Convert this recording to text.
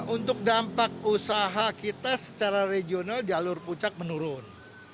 untuk dampak usaha kita secara regional jalur puncak menurun